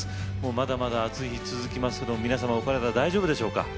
まだまだ暑い日が続きますけど皆様、お体大丈夫でしょうか。